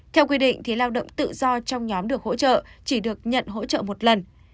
theo quy định lao động tự do trong nhóm được hỗ trợ chỉ được nhận hỗ trợ một lần